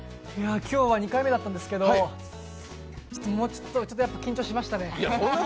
今日は２回目だったんですけど、ちょっと緊張しましたね。